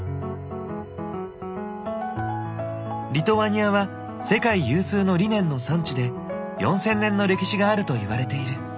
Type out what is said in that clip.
リトアニアは世界有数のリネンの産地で４０００年の歴史があるといわれている。